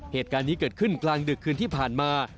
เหตุการณ์นี้เกิดขึ้นกลางดึกคืนที่ผ่านมา